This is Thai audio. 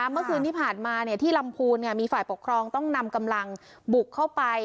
เมื่อคืนที่ผ่านมาที่ลำพูนมีฝ่ายปกครองต้องนำกำลังบุกเข้าไป